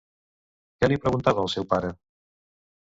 Què li preguntava el seu pare?